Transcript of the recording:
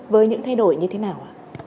với những thay đổi như thế nào